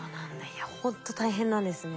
いやほんと大変なんですね。